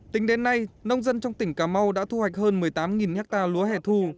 tính đến nay nông dân trong tỉnh cà mau đã thu hoạch hơn một mươi tám ha lúa hẻ thù